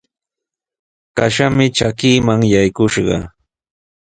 Kashami trakiiman yakushqa.